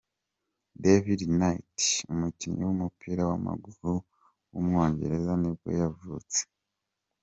David Knight, umukinnyi w’umupira w’amaguru w’umwongereza nibwo yavutse.